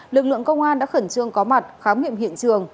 lực lượng công an đã khẩn trương có mặt khám nghiệm hiện trường